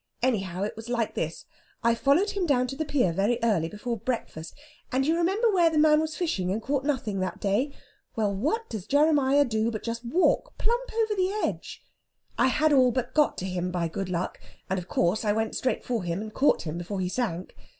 Anyhow, it was like this: I followed him down to the pier very early before breakfast, and you remember where the man was fishing and caught nothing that day? Well, what does Jeremiah do but just walk plump over the edge. I had all but got to him, by good luck, and of course I went straight for him and caught him before he sank.